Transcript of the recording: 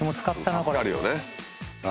助かるよね。